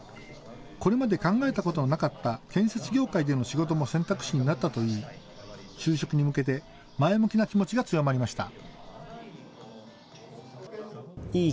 これまで考えたことのなかった建設業界での仕事も選択肢になったといい、就職に向けて前向きな気持ちが強まりました。